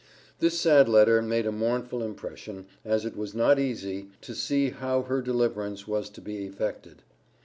This sad letter made a mournful impression, as it was not easy to see how her deliverance was to be effected.